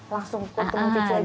langsung ketemu cucu aja